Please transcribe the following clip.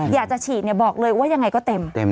อยากจะฉีดบอกเลยว่ายังไงก็เต็ม